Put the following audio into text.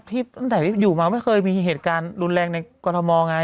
ตั้งแต่ที่อยู่มาไม่เคยมีเหตุการณ์รุนแรงในกรทมไง